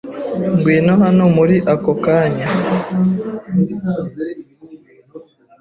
Ngwino hano muri ako kanya.